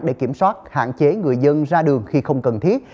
để kiểm soát hạn chế người dân ra đường khi không cần thiết